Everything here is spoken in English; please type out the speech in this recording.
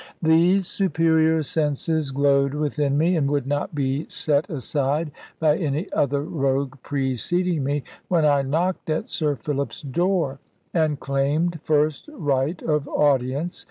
These superior senses glowed within me, and would not be set aside by any other rogue preceding me, when I knocked at Sir Philip's door, and claimed first right of audience.